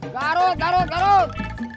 garut garut garut